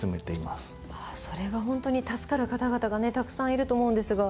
ああそれは本当に助かる方々がたくさんいると思うのですが。